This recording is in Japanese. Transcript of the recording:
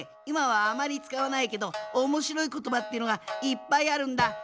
いまはあまりつかわないけどおもしろいことばっていうのがいっぱいあるんだ。